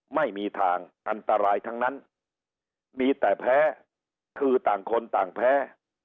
ไม่มีทางอันตรายทั้งนั้นมีแต่แพ้คือต่างคนต่างแพ้